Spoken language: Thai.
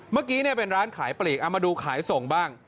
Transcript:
เมื่อกี้เป็นร้านขายปลีกเอามาดูขายส่งบ้าง